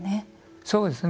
そうですね。